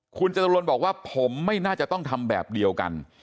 คุณจตุรนบอกว่าผมไม่น่าจะต้องทำแบบเดียวกัน